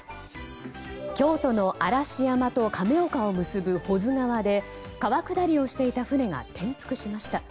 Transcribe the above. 京都の嵐山と亀岡を結ぶ保津川で川下りをしていた船が転覆しました。